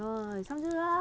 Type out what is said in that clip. rồi xong chưa